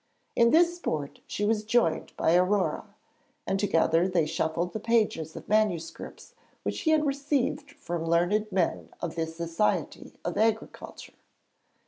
In this sport she was joined by Aurore, and together they shuffled the pages of manuscripts which he had received from learned men of the Society of Agriculture.